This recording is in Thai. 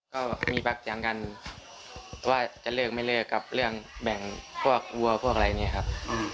ก็มีพักจังกันว่าจะเลิกไม่เลิกกับเรื่องแบ่งพวกวัวพวกอะไรเนี่ยครับ